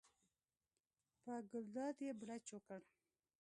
په ګلداد یې بړچ وکړ.